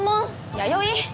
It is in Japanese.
弥生？